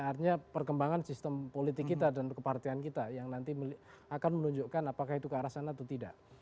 artinya perkembangan sistem politik kita dan kepartian kita yang nanti akan menunjukkan apakah itu ke arah sana atau tidak